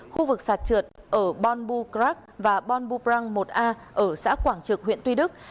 khu vực sạt trượt ở bon bù crac và bon bù prang một a ở xã quảng trực huyện tuy đức